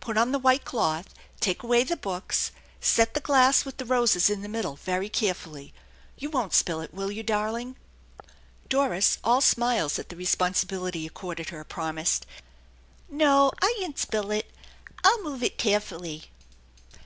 Put on the white cloth, take away the books, set the glass with the roses in the middle very carefully. You won't spill it, will you, darling ?" Doris, all smiles at the responsibility accorded her, prom ised: " No, I yun't spill it I'll move it tarefully."